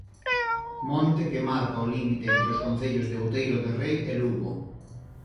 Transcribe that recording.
Monte que marca o límite entre os concellos de Outeiro de Rei e Lugo.